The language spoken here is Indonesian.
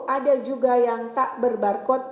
ada juga yang tak berbarcode